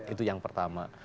itu yang pertama